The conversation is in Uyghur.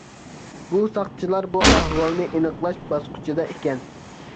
بۇ ساقچىلار بۇ ئەھۋالنى ئېنىقلاش باسقۇچىدا ئىكەن.